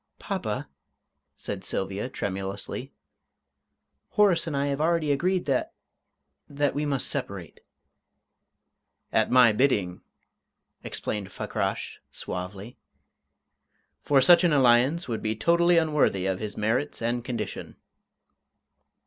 "Papa," said Sylvia, tremulously, "Horace and I have already agreed that that we must separate." "At my bidding," explained Fakrash, suavely; "for such an alliance would be totally unworthy of his merits and condition."